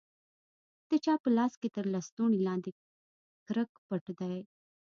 د چا په لاس کښې تر لستوڼي لاندې کرک پټ دى.